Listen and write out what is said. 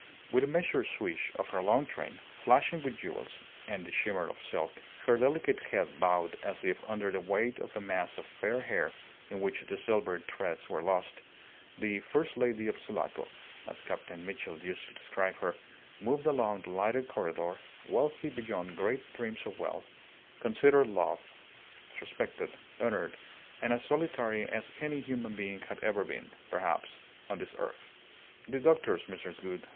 With a measured swish of her long train, flashing with jewels and the shimmer of silk, her delicate head bowed as if under the weight of a mass of fair hair, in which the silver threads were lost, the "first lady of Sulaco," as Captain Mitchell used to describe her, moved along the lighted corredor, wealthy beyond great dreams of wealth, considered, loved, respected, honoured, and as solitary as any human being had ever been, perhaps, on this earth. The doctor's "Mrs. Gould!